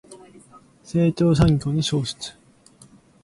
成長産業の創出